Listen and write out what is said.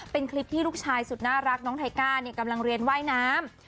เป็นคลิปที่ลูกชายสุดน่ารักน้องไทก้าเนี่ยกำลังเรียนว่ายน้ำ